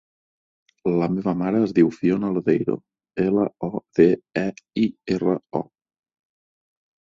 La meva mare es diu Fiona Lodeiro: ela, o, de, e, i, erra, o.